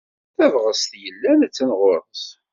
Tabɣest yellan a-tt-an ɣur-s.